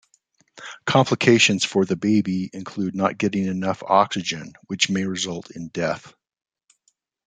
Complications for the baby include not getting enough oxygen which may result in death.